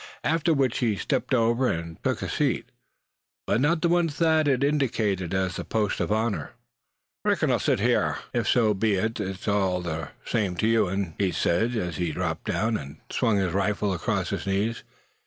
After which he stepped over, and took a seat, but not the one Thad had indicated as the post of honor. "Reckon I'll sit hyar, ef so be it's all ther same ter you uns," he said, as he dropped down, and swung his rifle across his knees.